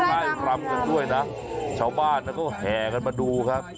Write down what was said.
ไล่รำกันด้วยนะชาวบ้านก็แห่กันมาดูครับ